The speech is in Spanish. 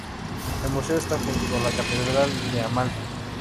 El Museo está junto a la Catedral de Amalfi.